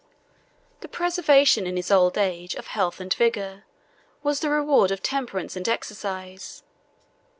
The preservation, in his old age, of health and vigor, was the reward of temperance and exercise.